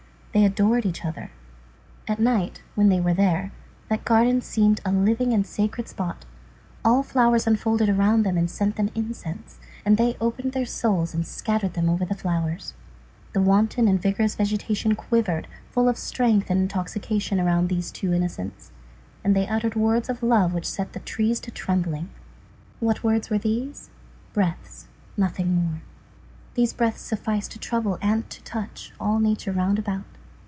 They adored each other. At night, when they were there, that garden seemed a living and a sacred spot. All flowers unfolded around them and sent them incense; and they opened their souls and scattered them over the flowers. The wanton and vigorous vegetation quivered, full of strength and intoxication, around these two innocents, and they uttered words of love which set the trees to trembling. What words were these? Breaths. Nothing more. These breaths sufficed to trouble and to touch all nature round about.